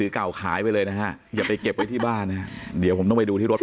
เก่าขายไปเลยนะฮะอย่าไปเก็บไว้ที่บ้านนะฮะเดี๋ยวผมต้องไปดูที่รถ